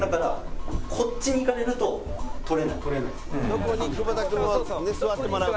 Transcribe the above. どこに久保田君を座ってもらうか。